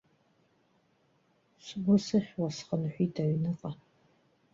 Сгәы сыхьуа схынҳәит аҩныҟа.